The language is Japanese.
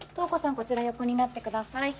こちら横になってください